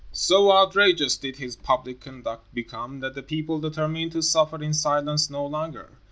So outrageous did his public conduct become that the people determined to suffer in silence no longer.